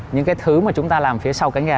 những cái thứ mà chúng ta làm phía sau cánh gà